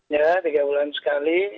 ya tiga bulan sekali